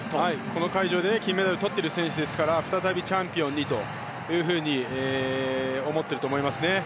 この会場で金メダルを取っている選手ですから再びチャンピオンにと思っていると思いますね。